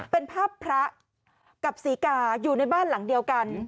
เป็นภาพพระกับศรีกาอยู่ในบ้านหลังเดียวกัน